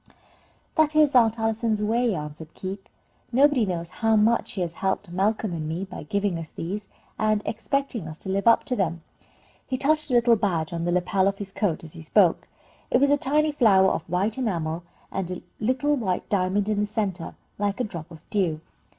"That is Aunt Allison's way," answered Keith. "Nobody knows how much she has helped Malcolm and me by giving us these, and expecting us to live up to them." He touched a little badge on the lapel of his coat, as he spoke. It was a tiny flower of white enamel, with a little diamond in the centre, like a drop of dew.